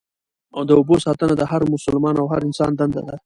د اوبو ساتنه د هر مسلمان او هر انسان دنده ده.